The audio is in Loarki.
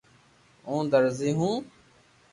ھون درزي ھون